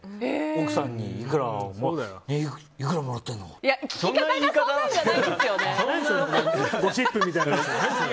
奥さんにいくらもらってるの？って。